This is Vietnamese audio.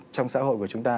trong xã hội của chúng ta